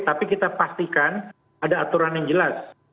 tapi kita pastikan ada aturan yang jelas